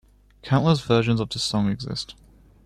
Countless versions of this song exist.